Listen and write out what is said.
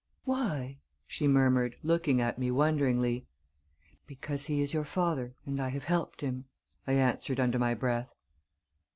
"Why?" she murmured, looking at me wonderingly. "Because he is your father and I have helped him," I answered under my breath.